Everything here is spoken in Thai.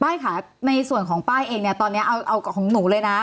ค่ะในส่วนของป้ายเองเนี่ยตอนนี้เอาของหนูเลยนะ